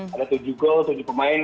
ada tujuh gol tujuh pemain